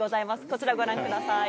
こちらご覧ください。